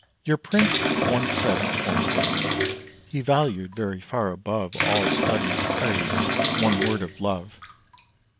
Your Prince once said, in former days, He valued very far above All studied praise one word of love.